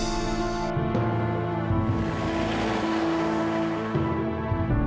aku mau beristirahat